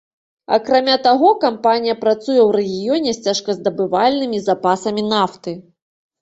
Акрамя таго, кампанія працуе ў рэгіёне з цяжказдабывальнымі запасамі нафты.